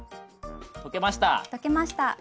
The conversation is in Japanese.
溶けました。